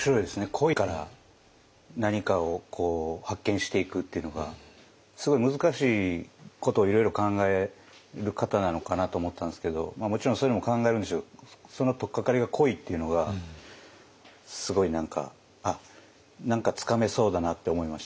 恋から何かを発見していくっていうのがすごい難しいことをいろいろ考える方なのかなと思ったんですけどもちろんそういうのも考えるんでしょうけどその取っかかりが恋っていうのがすごい何かつかめそうだなって思いましたね。